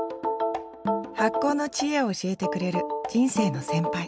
発酵の知恵を教えてくれる人生の先輩